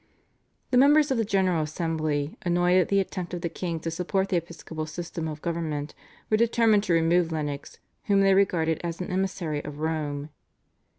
" The members of the General Assembly, annoyed at the attempt of the king to support the episcopal system of government, were determined to remove Lennox, whom they regarded as an emissary of Rome.